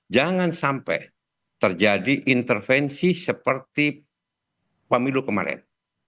jangan sampai terjadi intervensi seperti pemilu kemarin